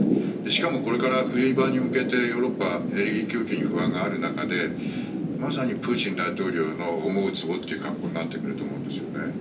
しかもこれから冬場に向けてヨーロッパはエネルギー供給に不安がある中でまさにプーチン大統領の思うつぼという格好になってくると思うんですよね。